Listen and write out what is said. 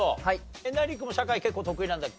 えなり君も社会結構得意なんだっけ？